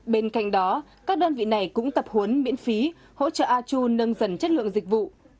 bên cạnh đó các đơn vị này cũng tập huấn miễn phí hỗ trợ a chu nâng dần chất lượng dịch vụ